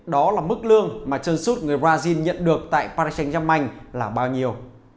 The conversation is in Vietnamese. đó là mức lương mà chân sút người brazil nhận được tại paris saint germain là bao nhiêu